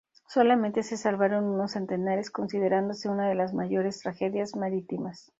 Solamente se salvaron unos centenares, considerándose una de las mayores tragedias marítimas.